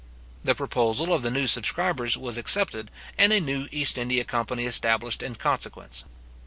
The proposal of the new subscribers was accepted, and a new East India company established in consequence.